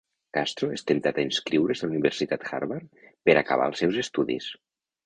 Castro és temptat a inscriure's a la Universitat Harvard per acabar els seus estudis.